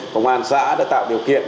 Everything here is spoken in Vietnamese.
công an xã đã tạo điều kiện